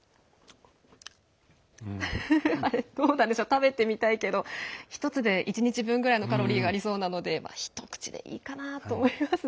食べてみたいけど１つで１日分ぐらいのカロリーがありそうなので一口でいいかなと思いますね。